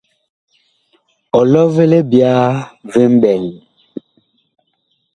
Ɔlɔ vi libyaa vi mɓɛɛŋ.